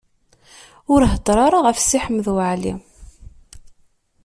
Ur heddeṛ ara ɣef Si Ḥmed Waɛli.